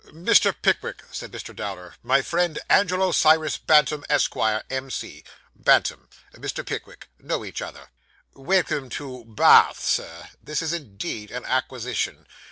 'Mr. Pickwick,' said Mr. Dowler; 'my friend, Angelo Cyrus Bantam, Esquire, M.C.; Bantam; Mr. Pickwick. Know each other.' 'Welcome to Ba ath, Sir. This is indeed an acquisition.